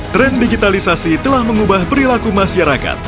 tren digitalisasi telah mengubah perilaku masyarakat